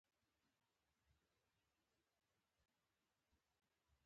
او دوي د باچا خان او ولي خان پۀ ضد